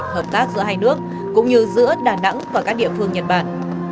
hợp tác giữa hai nước cũng như giữa đà nẵng và các địa phương nhật bản